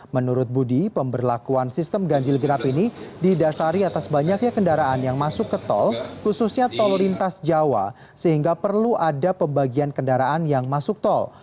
menurut budi pemberlakuan sistem ganjil genap ini didasari atas banyaknya kendaraan yang masuk ke tol khususnya tol lintas jawa sehingga perlu ada pembagian kendaraan yang masuk tol